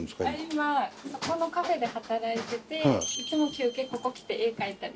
今そこのカフェで働いてていつも休憩ここ来て絵描いたり。